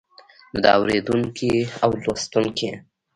نو د اوريدونکي او لوستونکي